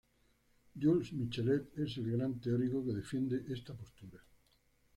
Jules Michelet es el gran teórico que defiende esta postura.